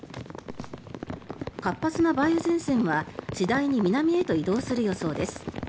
活発な梅雨前線は次第に南へと移動する予想です。